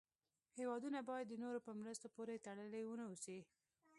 هېوادونه باید د نورو په مرستو پورې تړلې و نه اوسي.